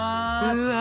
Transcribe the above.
うわ。